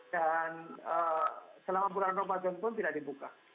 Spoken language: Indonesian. dan selama bulan ramadan pun tidak dibuka